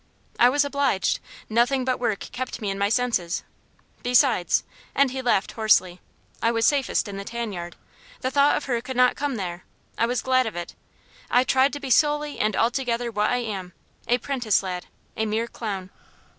"I was obliged. Nothing but work kept me in my senses. Besides" and he laughed hoarsely "I was safest in the tan yard. The thought of her could not come there. I was glad of it. I tried to be solely and altogether what I am a 'prentice lad a mere clown."